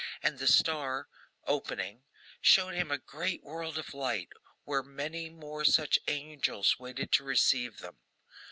And the star, opening, showed him a great world of light, where many more such angels waited to receive them.